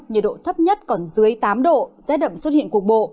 nhiệt độ thấp nhất còn dưới tám độ rét đậm xuất hiện cục bộ